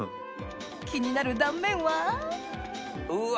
気になる断面は？うわ。